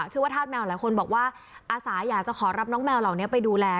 ธาตุแมวหลายคนบอกว่าอาสาอยากจะขอรับน้องแมวเหล่านี้ไปดูแล